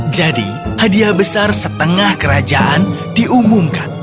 jadi hadiah besar setengah kerajaan diumumkan